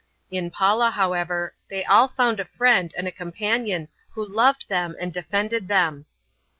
In Paula, however, they all found a friend and a companion who loved them and defended them.